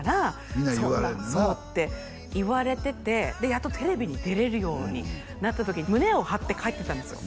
みんなに言われんなって言われててでやっとテレビに出れるようになった時に胸を張って帰っていったんですよ